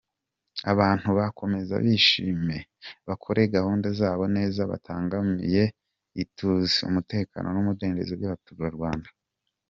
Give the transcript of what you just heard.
Abantu bakomeze bishime, bakore gahunda zabo neza batabangamiye ituze, umutekano n’umudendezo by’abaturarwanda.